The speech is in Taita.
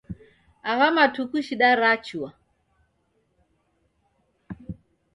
Agha matuku shida rechua.